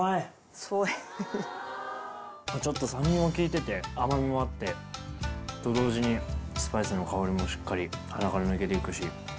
ちょっと酸味も効いてて甘味もあって。と同時にスパイスの香りもしっかり鼻から抜けて行くし。